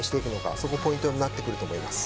そこがポイントになってくると思います。